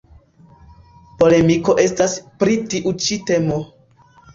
Polemiko estas pri tiu ĉi temo.